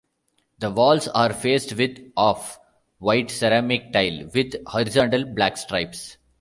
The walls are faced with off-white ceramic tile with horizontal black stripes.